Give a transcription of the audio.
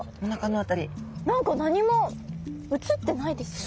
何か何も映ってないですよね。